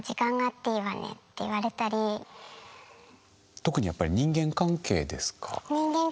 特にやっぱり人間関係ですか？